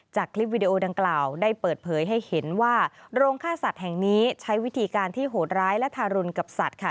คลิปวิดีโอดังกล่าวได้เปิดเผยให้เห็นว่าโรงฆ่าสัตว์แห่งนี้ใช้วิธีการที่โหดร้ายและทารุณกับสัตว์ค่ะ